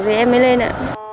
thì em mới lên ạ